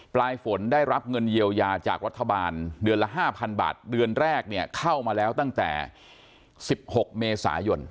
ปลายฝนได้รับเงินเยียวยาจากรัฐบาลเดือนละ๕๐๐บาทเดือนแรกเนี่ยเข้ามาแล้วตั้งแต่๑๖เมษายน